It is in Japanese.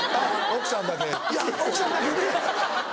奥さんだけね！